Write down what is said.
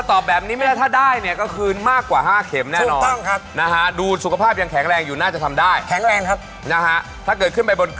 ต้องมากฝากครับถ้าได้ครับ